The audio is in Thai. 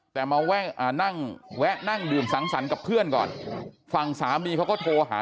แต่มาแวะนั่งแวะนั่งดื่มสังสรรค์กับเพื่อนก่อนฝั่งสามีเขาก็โทรหา